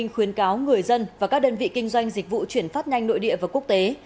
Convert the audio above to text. khuyến cáo người dân và các đơn vị kinh doanh dịch vụ chuyển phát nhanh nội địa và quốc tế